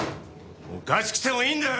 おかしくてもいいんだよ！